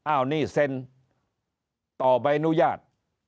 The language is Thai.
อ้าวนี่เซ็นต่อใบอนุญาต